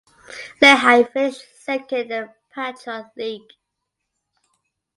Lehigh finished second in the Patriot League.